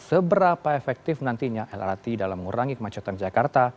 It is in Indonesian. seberapa efektif nantinya lrt dalam mengurangi kemacetan jakarta